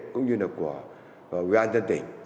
cũng như là của ubnd